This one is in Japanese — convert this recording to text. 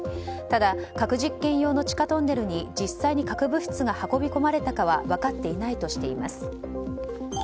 ただ、核実験用の地下トンネルに実際に核物質が運び込まれたかは分かっていないとしています。